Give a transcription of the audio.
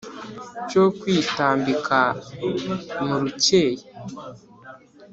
cyo kwitambika mu rukeye,